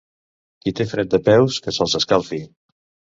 Qui té fred de peus que se'ls escalfi.